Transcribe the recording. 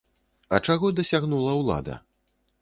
А чаго дасягнула ўлада?